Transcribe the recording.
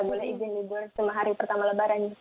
boleh izin libur cuma hari pertama lebaran